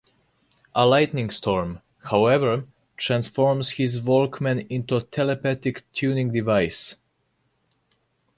A lightning storm, however, transforms his Walkman into a telepathic tuning device.